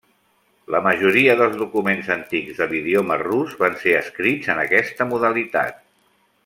La majoria dels documents antics de l'idioma rus van ser escrits en aquesta modalitat.